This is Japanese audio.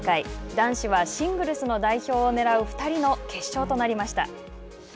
男子はシングルスの代表をねらう２人の決勝となりました。